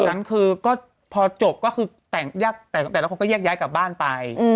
แต่หลังจากนั้นก็พอจบก็คือแตกแต่ละคนก็แยกย้ายกลับบ้านไป